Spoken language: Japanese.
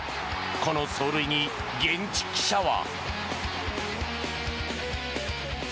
この走塁に現地記者は。